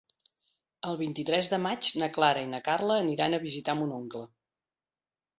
El vint-i-tres de maig na Clara i na Carla aniran a visitar mon oncle.